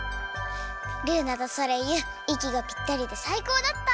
ルーナとソレイユいきがぴったりでさいこうだった！